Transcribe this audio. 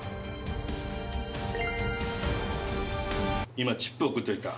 今チップ送っといた。